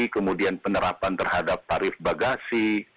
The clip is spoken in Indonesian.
kemudian penerapan terhadap tarif bagasi